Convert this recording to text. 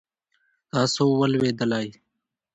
تاسو ولوېدلئ؟